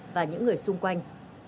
và những người xung quanh